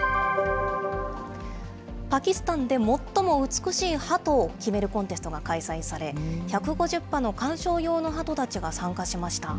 パキスタンで最も美しいハトを決めるコンテストが開催され、１５０羽の観賞用のハトたちが参加しました。